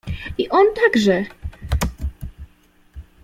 "I on także!"